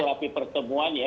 begitu rapi pertemuan ya